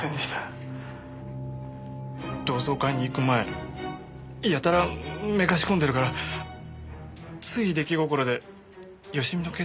同窓会に行く前やたらめかし込んでるからつい出来心で佳美の携帯覗いたんです。